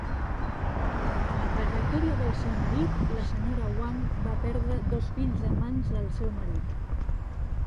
Durant la trajectòria del seu marit, la senyora Wang va perdre dos fills a mans del seu marit.